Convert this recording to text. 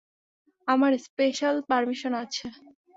আমার special permission আছে।